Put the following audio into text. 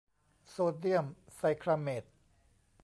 โซเดียมไซคลาเมต